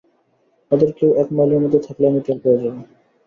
ওদের কেউ এক মাইলের মধ্যে থাকলে, আমি টের পেয়ে যাবো।